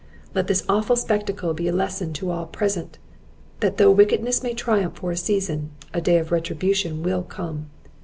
Let this awful spectacle be a lesson to all present, that though wickedness may triumph for a season, a day of retribution will come!"